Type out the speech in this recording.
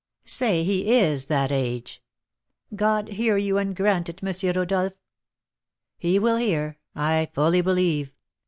"Say he is that age " "God hear you, and grant it, M. Rodolph." "He will hear, I fully believe.